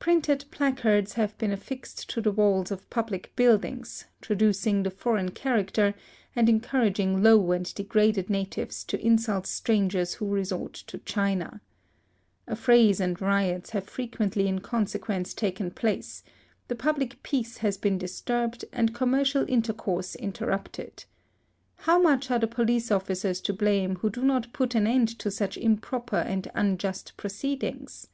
Printed placards have even been affixed to the walls of public buildings, traducing the foreign character, and encouraging low and degraded natives to insult strangers who resort to China. Affrays and riots have frequently in consequence taken place; the public peace has been disturbed, and commercial intercourse interrupted. How much are the police officers to blame, who do not put an end to such improper and unjust proceedings!